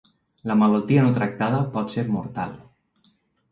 La malaltia no tractada pot ser mortal.